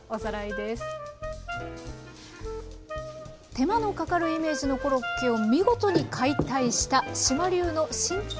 手間のかかるイメージのコロッケを見事に解体した志麻流の新定番コロッケ。